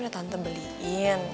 udah tante beliin